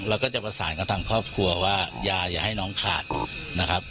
แล้วก็จะประสานกับทางครอบครัวว่ายาอย่าให้น้องขาดนะครับ